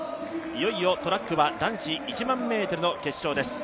いよいよトラックは男子１００００ｍの決勝です。